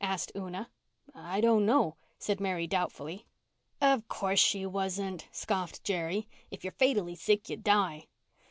asked Una. "I don't know," said Mary doubtfully. "Of course she wasn't," scoffed Jerry. "If you're fatally sick you die."